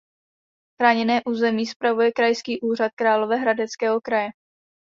Chráněné území spravuje Krajský úřad Královéhradeckého kraje.